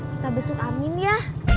kita besok amin ya